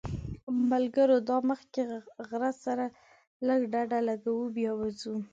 ملګرو دا مخکې غره سره لږ ډډه لګوو بیا به ځو.